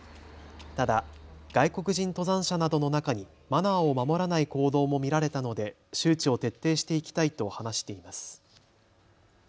ただ外国人登山者などの中にマナーを守らない行動も見られたので周知を徹底していきたいと話しています。